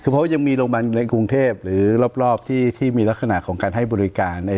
คือเพราะว่ายังมีโรงพยาบาลในกรุงเทพหรือรอบที่มีลักษณะของการให้บริการ